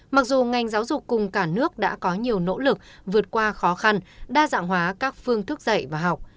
mặc dù ngành giáo dục cùng cả nước đã có nhiều nỗ lực vượt qua khó khăn đa dạng hóa các phương thức dạy và học